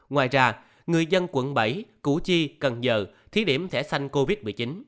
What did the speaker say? ngoài ra người dân quận bảy củ chi cần giờ thí điểm thẻ xanh covid một mươi chín